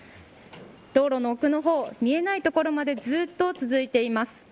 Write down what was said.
道路の奥の方、見えない所までずっと続いています。